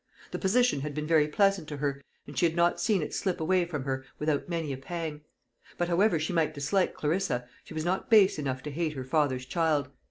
The position had been very pleasant to her, and she had not seen it slip away from her without many a pang; but, however she might dislike Clarissa, she was not base enough to hate her father's child.